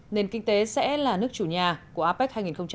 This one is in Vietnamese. nền kinh tế sẽ là nước chủ nhà của apec hai nghìn một mươi tám